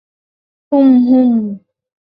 হুম, হুম।